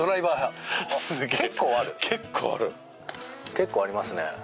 結構ありますね。